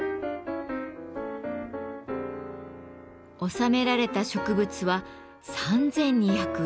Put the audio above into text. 収められた植物は３，２０６種。